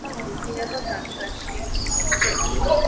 ტბა არ იყინება ზამთარში.